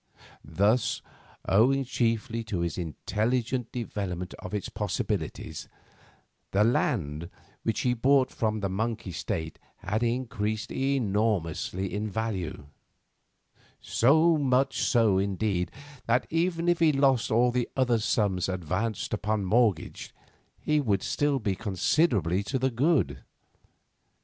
Thus, owing chiefly to his intelligent development of its possibilities, the land which he bought from the Monk estate had increased enormously in value; so much so, indeed, that, even if he lost all the other sums advanced upon mortgage, he would still be considerably to the good.